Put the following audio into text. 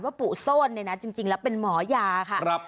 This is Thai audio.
ว่าปุโซนจริงแล้วเป็นหมอยาค่ะ